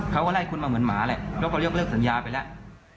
เขาก็ไล่คุณมาเหมือนหมาแหละแล้วก็ยกเลิกสัญญาไปแล้ว